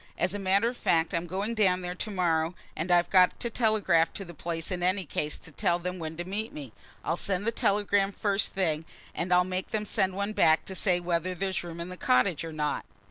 As a matter of fact, I'm going down there to morrow, and I've got to telegraph to my place in any case to tell them when to meet me. I'll send the telegram first thing, and I'll make them send one back to say whether there's room in the cottage or not."